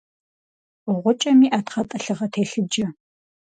Гъукӏэм иӏэт гъэтӏылъыгъэ телъыджэ.